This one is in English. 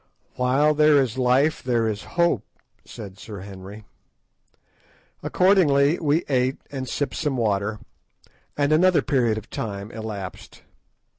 "While there is life there is hope," said Sir Henry. Accordingly we ate and sipped some water, and another period of time elapsed.